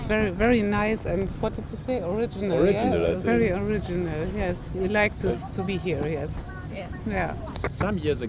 beberapa tahun lalu